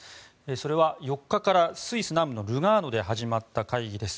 それは４日からスイス南部のルガーノで始まった会議です。